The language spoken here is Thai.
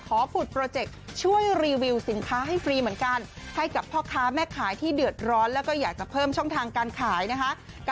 ผุดโปรเจคช่วยรีวิวสินค้าให้ฟรีเหมือนกันให้กับพ่อค้าแม่ขายที่เดือดร้อนแล้วก็อยากจะเพิ่มช่องทางการขายนะคะ